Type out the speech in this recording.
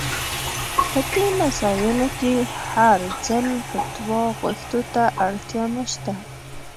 په دې مسايلو کې هر ځل فتوا غوښتو ته اړتيا نشته.